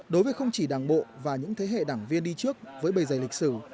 đối với không chỉ đảng bộ và những thế hệ đảng viên đi trước với bầy giày lịch sử